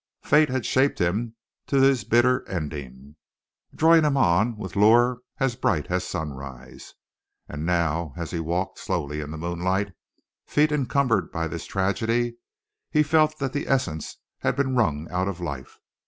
Fate had shaped him to his bitter ending, drawing him on with lure as bright as sunrise. And now, as he walked slowly in the moonlight, feet encumbered by this tragedy, he felt that the essence had been wrung out of life.